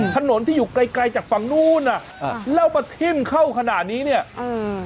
ถนนที่อยู่ไกลไกลจากฝั่งนู้นอ่ะอ่าแล้วมาทิ้มเข้าขนาดนี้เนี้ยเออ